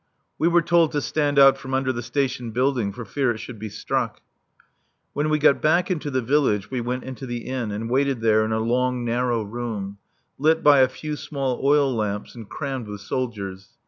We were told to stand out from under the station building for fear it should be struck. When we got back into the village we went into the inn and waited there in a long, narrow room, lit by a few small oil lamps and crammed with soldiers.